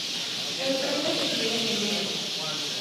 El premio se entrega en enero.